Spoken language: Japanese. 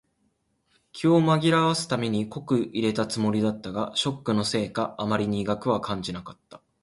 気を紛らわすために濃く淹れたつもりだったが、ショックのせいかあまり苦くは感じなかった。